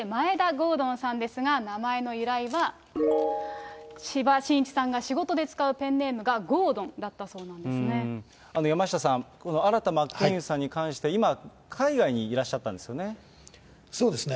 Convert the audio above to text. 郷敦さんですが、名前の由来は、千葉真一さんが仕事で使うペンネームがゴードンだったそうなんで山下さん、新田真剣佑さんに関しては、今、海外にいらっしゃったんですよね。